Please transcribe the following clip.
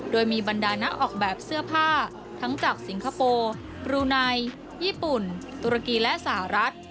โดยมีบรรดานักออกแบบเสื้อผ้าทั้งจากสิงคโปร์บรูไนญี่ปุ่นตุรกีและสหรัฐ